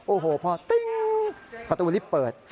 โอ้โหพอตึ้งประตูลิฟต์เปิด